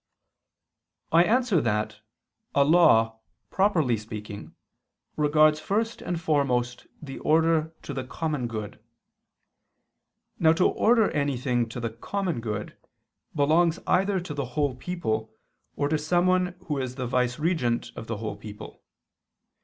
I answer that, A law, properly speaking, regards first and foremost the order to the common good. Now to order anything to the common good, belongs either to the whole people, or to someone who is the viceregent of the whole people.